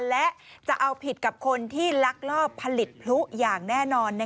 และจะเอาผิดกับคนที่ลักลอบผลิตพลุอย่างแน่นอน